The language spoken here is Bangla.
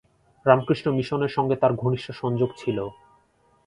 রামকৃষ্ণ মিশনের সঙ্গে তার ঘনিষ্ঠ সংযোগ ছিল।